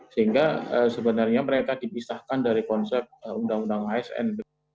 sehingga sebenarnya mereka dipisahkan dari konsep undang undang asn